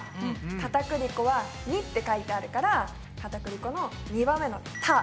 かたくり粉は②って書いてあるからかたくり粉の２番目の「た」。